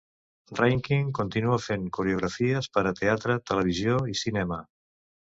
Reinking continua fent coreografies per a teatre, televisió i cinema.